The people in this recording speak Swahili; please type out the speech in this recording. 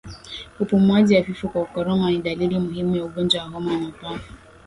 Upumuaji hafifu kwa kukoroma ni dalili muhimu ya ugonjwa wa homa ya mapafu